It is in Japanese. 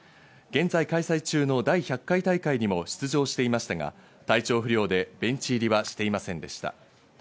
現在開催中の第１００回大会にも出場していましたが、体調不良でベンチ入りはしていませんでした。